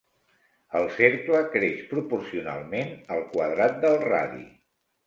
El cercle creix proporcionalment al quadrat del radi.